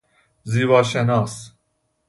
زیباشناس